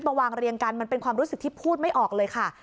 มาวางเรียงกันมันเป็นความรู้สึกที่พูดไม่ออกเลยค่ะ